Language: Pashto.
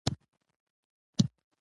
که عینکې وي نو سترګې نه زیانمن کیږي.